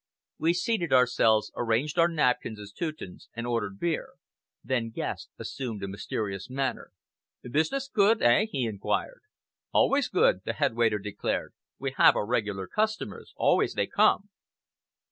We seated ourselves, arranged our napkins as Teutons, and ordered beer. Then Guest assumed a mysterious manner. "Business good, eh?" he inquired. "Always good," the head waiter declared. "We have our regular customers. Always they come!"